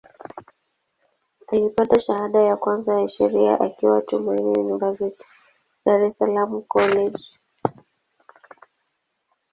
Alipata shahada ya kwanza ya Sheria akiwa Tumaini University, Dar es Salaam College.